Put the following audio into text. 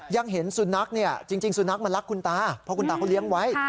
ยังเห็นสุนัขเนี่ยจริงสุนัขมันรักคุณตาเพราะคุณตาเขาเลี้ยงไว้